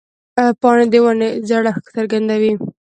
پاڼې د ونې زړښت څرګندوي.